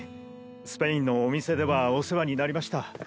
スペインのお店ではお世話になわあ！